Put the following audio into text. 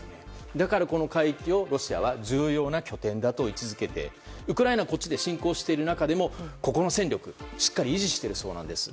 だから、この海域をロシアは重要な拠点だと位置づけてウクライナはこっちで侵攻している中でもここの戦力をしっかり維持しているそうなんです。